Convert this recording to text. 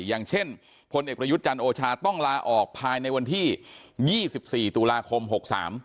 อย่างเช่นพลเอกประยุทธ์จันทร์โอชาต้องลาออกภายในวันที่ยี่สิบสี่ตุลาคมหกสาม